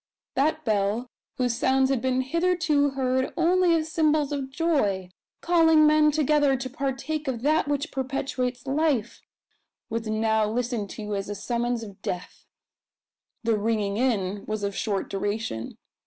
That bell, whose sounds had been hitherto heard only as symbols of joy calling men together to partake of that which perpetuates life was now listened to as a summons of death! The "ringing in" was of short duration.